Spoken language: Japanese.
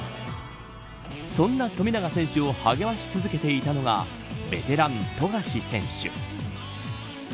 そんな富永選手を励まし続けていたのがベテラン富樫選手。